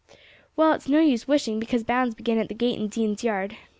"Well, it's no use wishing, because bounds begin at the gate in Dean's Yard.